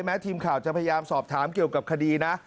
ทีมข่าวจะพยายามสอบถามเกี่ยวกับคดีนะ